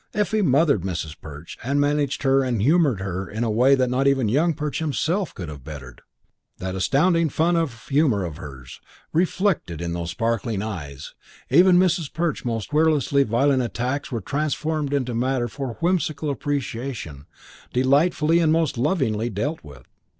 Effie mothered Mrs. Perch and managed her and humoured her in a way that not even Young Perch himself could have bettered. In that astounding fund of humour of hers, reflected in those sparkling eyes, even Mrs. Perch's most querulously violent attacks were transformed into matter for whimsical appreciation, delightfully and most lovingly dealt with.